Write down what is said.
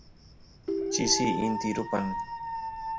chisi inti rupan